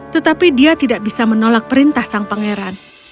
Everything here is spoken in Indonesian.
tetapi dia tidak bisa menolak perintah sang pangeran